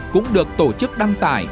cũng được tổ chức đăng tải